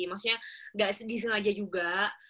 maksudnya nggak disengaja juga